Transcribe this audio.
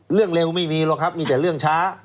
เรื่องเร็วไม่มีหรอกครับมีแต่เรื่องช้า